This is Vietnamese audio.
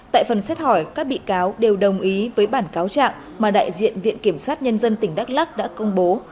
tại phần xét hỏi các bị cáo đều đồng ý với bản cáo trạng mà đại diện viện kiểm sát nhân dân tỉnh đắk lắc đã công bố